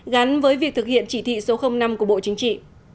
gắn với việc thực hiện chỉ thị số năm của bộ chính trị